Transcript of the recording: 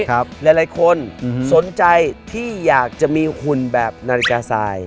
หลายคนสนใจที่อยากจะมีหุ่นแบบนาฬิกาซาย